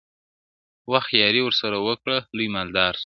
• وخت یاري ور سره وکړه لوی مالدار سو..